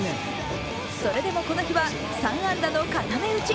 それでもこの日は３安打の固め打ち。